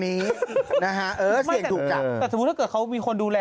นะฮะเออเสี่ยงถูกจับแต่สมมุติถ้าเกิดเขามีคนดูแล